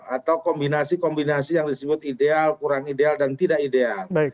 atau kombinasi kombinasi yang disebut ideal kurang ideal dan tidak ideal